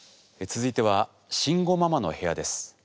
続いては慎吾ママの部屋です。